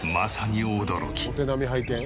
「お手並み拝見？」